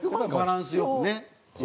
バランス良くね。